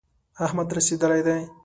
احمد رسېدلی دی.